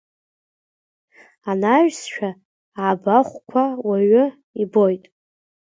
Анаҩсшәа абахәқәа уаҩы ибоит.